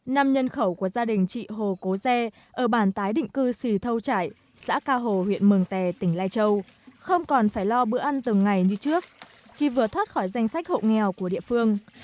năm nhân khẩu của gia đình chị hồ cố gie ở bản tái định cư sì thâu trải xã can hồ huyện mương tè tỉnh lai châu không còn phải lo bữa ăn từng ngày như trước khi vừa thoát khỏi danh sách hậu nghèo của địa phương